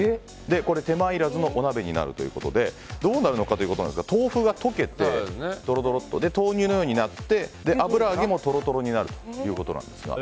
手間いらずのお鍋になるということでどうなるかというと豆腐が溶けて豆乳のようになって油揚げもトロトロになるということですが。